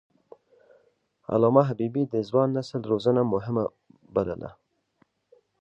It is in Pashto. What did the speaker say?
علامه حبيبي د ځوان نسل روزنه مهمه بلله.